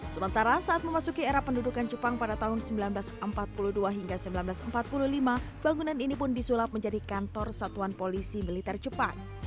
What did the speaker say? sementara saat memasuki era pendudukan jepang pada tahun seribu sembilan ratus empat puluh dua hingga seribu sembilan ratus empat puluh lima bangunan ini pun disulap menjadi kantor satuan polisi militer jepang